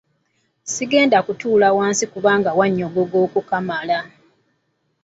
Sigenda kutuula wansi kubanga wannyogoga okukamala.